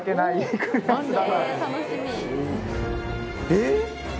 えっ！？